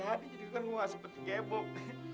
jadi kan gue nggak seperti kebob